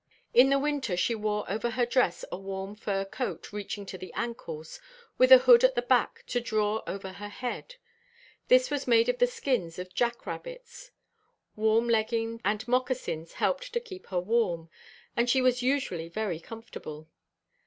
In the winter, she wore over her dress a warm fur coat reaching to the ankles, with a hood at the back to draw over her head. This was made of the skins of jack rabbits. Warm leggings and moccasins helped to keep her warm, and she was usually very comfortable.